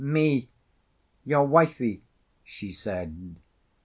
"Me—your wifie," she said.